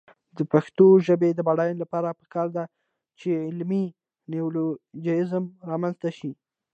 د پښتو ژبې د بډاینې لپاره پکار ده چې علمي نیولوجېزم رامنځته شي.